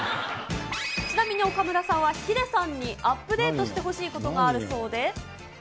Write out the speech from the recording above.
ちなみに岡村さんはヒデさんにアップデートしてほしいことがあるそうで。